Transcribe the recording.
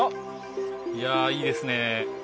いやいいですね。